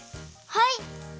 はい！